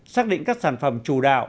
xác định các sản phẩm chủ đạo